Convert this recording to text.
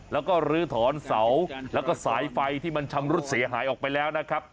แล้วก็ลื้อถอนเสาแล้วก็สายไฟที่มันชำรุดเสียหายออกไปแล้วนะครับ